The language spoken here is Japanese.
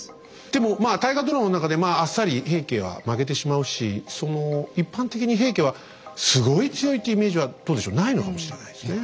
でもまあ大河ドラマの中でまああっさり平家は負けてしまうしその一般的に平家はすごい強いっていうイメージはどうでしょうないのかもしれないですね。